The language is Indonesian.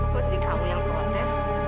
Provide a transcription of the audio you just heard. kok jadi kamu yang protes